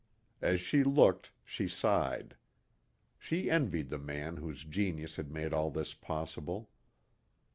As she looked, she sighed. She envied the man whose genius had made all this possible.